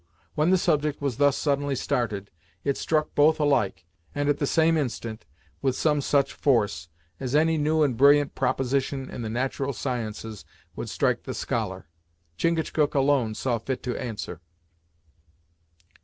When the subject was thus suddenly started, it struck both alike, and at the same instant, with some such force, as any new and brilliant proposition in the natural sciences would strike the scholar. Chingachgook alone saw fit to answer.